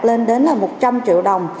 lên đến là một trăm linh triệu đồng